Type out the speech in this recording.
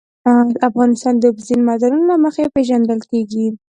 افغانستان د اوبزین معدنونه له مخې پېژندل کېږي.